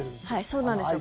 そうなんですよ。